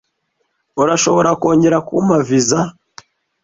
Urashobora kongera kumpa visa?